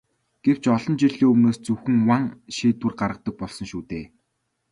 Гэвч олон жилийн өмнөөс зөвхөн ван шийдвэр гаргадаг болсон шүү дээ.